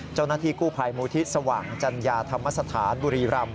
เจ้าหน้าที่กู้ภัยมูลทิศสว่างจัญญาธรรมสถานบุรีรำ